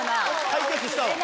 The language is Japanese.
解決したわ。